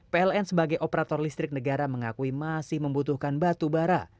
pln sebagai operator listrik negara mengakui masih membutuhkan batu bara